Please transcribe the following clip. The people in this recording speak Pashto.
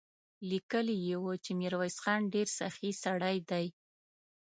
ليکلي يې و چې ميرويس خان ډېر سخي سړی دی.